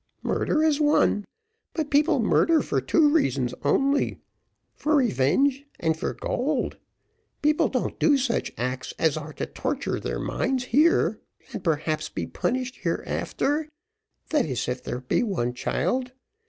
Murder is one, but people murder for two reasons only for revenge and for gold. People don't do such acts as are to torture their minds here, and perhaps be punished hereafter that is, if there be one, child.